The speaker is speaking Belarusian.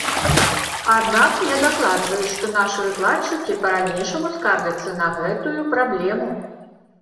Аднак мне дакладваюць, што нашы выкладчыкі па-ранейшаму скардзяцца на гэтую праблему.